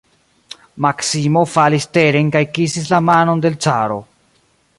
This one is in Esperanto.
Maksimo falis teren kaj kisis la manon de l' caro.